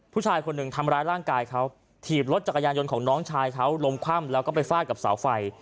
ผู้ชายคนหนึ่งทำร้ายร่างกายเขาถีบรถจักรยานยนต์ของน้องชายเขาล้มคว่ำแล้วก็ไปฟาดกับเสาไฟ